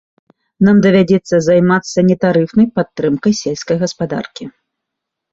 Нам давядзецца займацца нетарыфнай падтрымкай сельскай гаспадаркі.